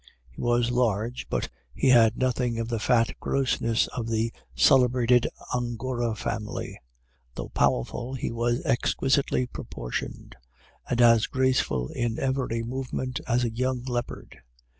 He was large, but he had nothing of the fat grossness of the celebrated Angora family; though powerful, he was exquisitely proportioned, and as graceful in every movement as a young leopard.